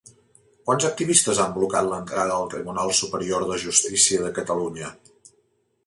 Quants activistes han blocat l'entrada al Tribunal Superior de Justícia de Catalunya?